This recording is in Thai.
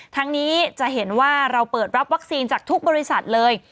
ทั้งนี้จะเห็นว่าเราเปิดรับวัคซีนจากทุกบริษัทเลย